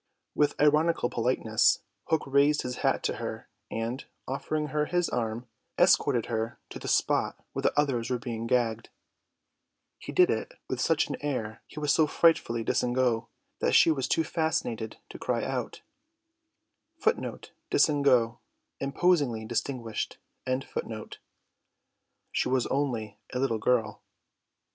With ironical politeness Hook raised his hat to her, and, offering her his arm, escorted her to the spot where the others were being gagged. He did it with such an air, he was so frightfully distingué, that she was too fascinated to cry out. She was only a little girl.